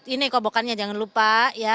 ini kobokannya jangan lupa ya